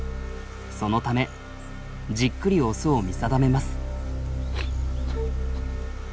そのためじっくりオスを見定めます。